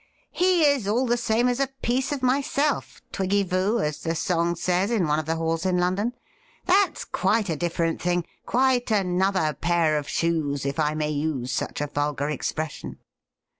He is all the same as a piece of myself — twiggy vous, as the song says in one of the halls in London. That's quite a different thing — quite another pair of shoes, if I may use such a vulgar expression.'